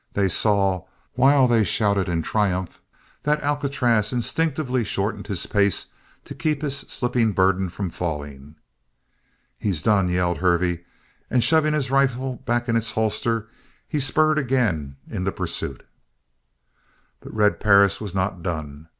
They saw, while they shouted in triumph, that Alcatraz instinctively shortened his pace to keep his slipping burden from falling. "He's done!" yelled Hervey, and shoving his rifle back in its holster, he spurred again in the pursuit. But Red Perris was not done.